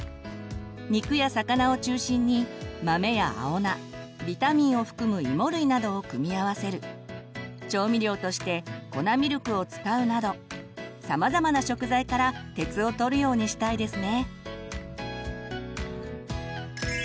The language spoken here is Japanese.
肉や魚を中心に豆や青菜ビタミンを含むいも類などを組み合わせる調味料として粉ミルクを使うなどさまざまな食材から鉄をとるようにしたいですね。